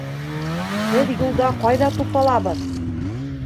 Беҙ юлда ҡайҙа туҡталабыҙ?